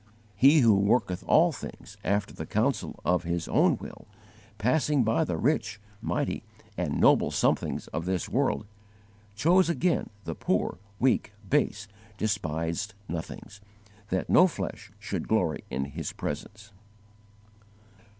He who worketh all things after the counsel of His own will, passing by the rich, mighty, and noble somethings of this world, chose again the poor, weak, base, despised nothings, that no flesh should glory in His presence.